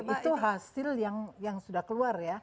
itu hasil yang sudah keluar ya